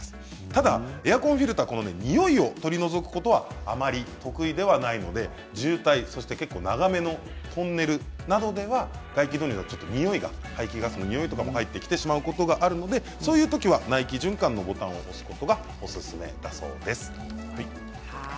ただエアコンフィルターにおいを取り除くことはあまり得意ではないので渋滞や結構長めのトンネルなどでは外気導入では排気ガスのにおいとかも入ってきてしまうことがあるのでそういうときには内気循環のボタンを押すことがおすすめだそうです。